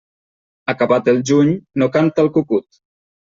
Acabat el juny, no canta el cucut.